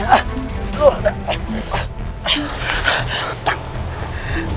diantara kita bertiga ya